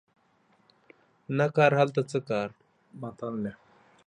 نه کار هلته څه کار